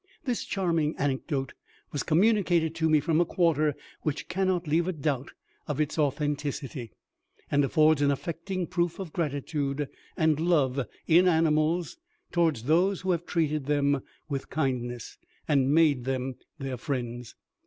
This charming anecdote was communicated to me from a quarter which cannot leave a doubt of its authenticity, and affords an affecting proof of gratitude and love in animals towards those who have treated them with kindness, and made them their friends.